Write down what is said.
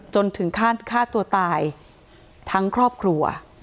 จนถึงขั้นฆ่าตัวตายทั้งครอบครัว